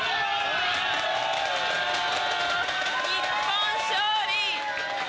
日本勝利！